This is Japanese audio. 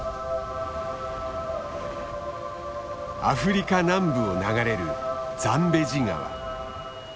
アフリカ南部を流れるザンベジ川。